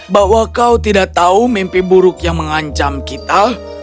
bahwa kau tidak tahu mimpi buruk yang mengancam kita